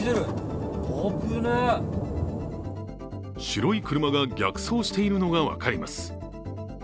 白い車が逆走しているのが分かります。